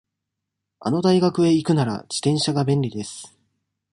あの大学へ行くなら、自転車が便利です。